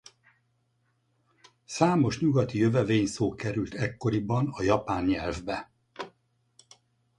Számos nyugati jövevényszó került ekkoriban a japán nyelvbe.